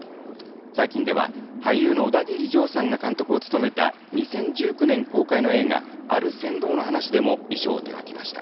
最近では、俳優のオダギリジョーさんが監督を務めた２０１９年公開の映画、ある船頭の話でも、衣装を手がけました。